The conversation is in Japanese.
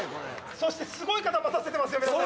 そしてすごい方待たせてますよ皆様。